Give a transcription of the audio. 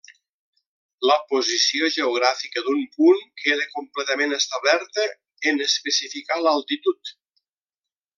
La posició geogràfica d'un punt queda completament establerta en especificar l'altitud.